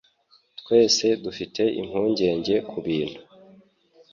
Twese dufite impungenge kubintu.